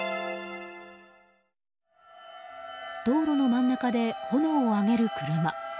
道路の真ん中で炎を上げる車。